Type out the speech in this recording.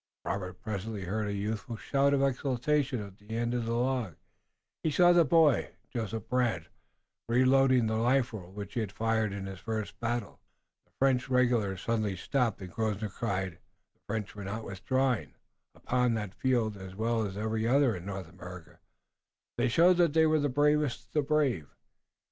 Robert presently heard a youthful shout of exultation at the far end of the log, and he saw the boy, Joseph Brant, reloading the rifle which he had fired in his first battle. The French regulars suddenly stopped, and Grosvenor cried: "It will be no Duquesne! No Duquesne again!" The French were not withdrawing. Upon that field, as well as every other in North America, they showed that they were the bravest of the brave.